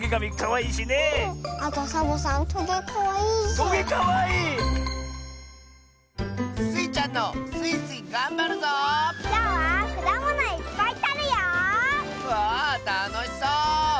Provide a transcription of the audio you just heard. わあたのしそう！